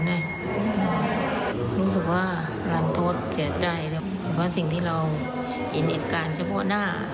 สิ่งที่เราเห็นเหตุการณ์เฉพาะหน้า